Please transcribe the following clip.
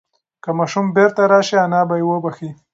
که ماشوم بیرته راشي انا به یې وبښي.